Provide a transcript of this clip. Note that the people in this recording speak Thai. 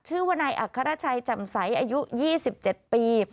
ชื่อว่านายอัครชัยแจ่มใสอายุ๒๗ปี